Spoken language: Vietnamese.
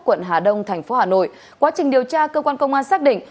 quận hà đông thành phố hà nội quá trình điều tra cơ quan công an xác định